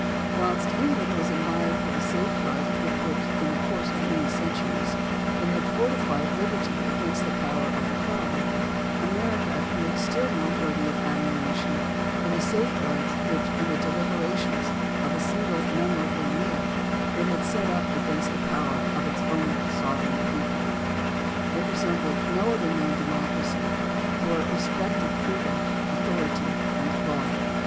Whilst England was admired for the safeguards with which, in the course of many centuries, it had fortified liberty against the power of the crown, America appeared still more worthy of admiration for the safeguards which, in the deliberations of a single memorable year, it had set up against the power of its own sovereign people. It re sembled no other known democracy, for it respected freedom, authority, and law.